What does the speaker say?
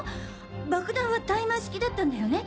爆弾はタイマー式だったんだよね？